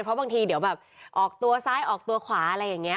เพราะบางทีเดี๋ยวแบบออกตัวซ้ายออกตัวขวาอะไรอย่างนี้